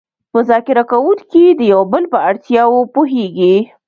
مذاکره کوونکي د یو بل په اړتیاوو پوهیږي